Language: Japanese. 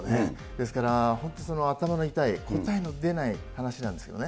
ですから、本当、頭の痛い、答えの出ない話なんですよね。